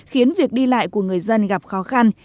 khiến việc đi lại của người dân gặp khó khăn